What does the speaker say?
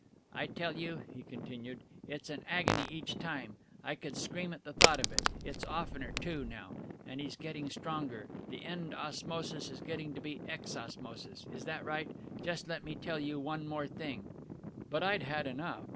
"I tell you," he continued, "it's an agony each time. I could scream at the thought of it. It's oftener, too, now, and he's getting stronger. The end osmosis is getting to be ex osmosis is that right? Just let me tell you one more thing " But I'd had enough.